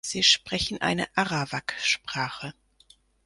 Sie sprechen eine Arawak-Sprache.